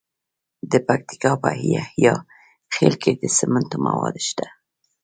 د پکتیکا په یحیی خیل کې د سمنټو مواد شته.